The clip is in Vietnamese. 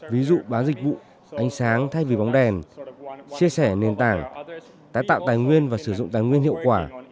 ví dụ bán dịch vụ ánh sáng thay vì bóng đèn chia sẻ nền tảng tái tạo tài nguyên và sử dụng tài nguyên hiệu quả